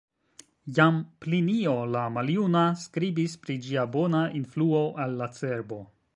Jam Plinio la Maljuna skribis pri ĝia bona influo al la cerbo.